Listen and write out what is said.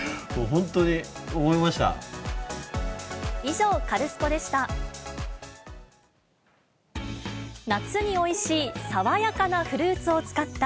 本当に思いました。